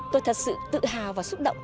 tôi thật sự tự hào và xúc động